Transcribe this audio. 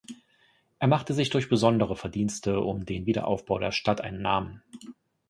Er machte sich durch besondere Verdienste um den Wiederaufbau der Stadt einen Namen.